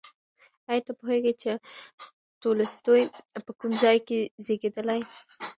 ایا ته پوهېږې چې تولستوی په کوم ځای کې زېږېدلی؟